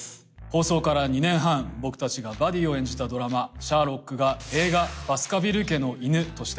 放送から２年半僕たちがバディを演じたドラマ『シャーロック』が映画『バスカヴィル家の犬』として帰ってきます。